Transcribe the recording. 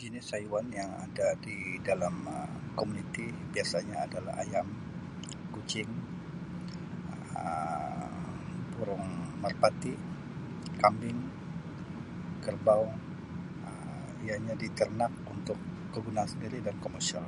Jenis haiwan yang ada di dalam Um komuniti biasanya adalah ayam, kucing Um burung merpati, kambing, kerbau Um ia nya diternak untuk kegunaan sendiri dan komersial.